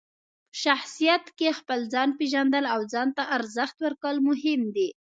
په شخصیت کې خپل ځان پېژندل او ځان ته ارزښت ورکول مهم دي.